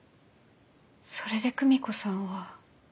それで久美子さんは。